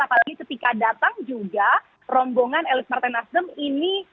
apalagi ketika datang juga rombongan elit partai nasdem ini